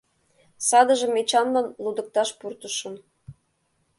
Садыжым Эчанлан лудыкташ пуртышым.